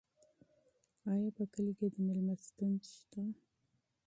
ایا په کلي کې مېلمستون شته؟